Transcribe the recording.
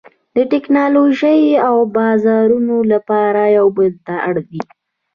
د ټکنالوژۍ او بازارونو لپاره یو بل ته اړ دي